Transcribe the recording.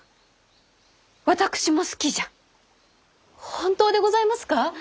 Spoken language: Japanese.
本当でございますか！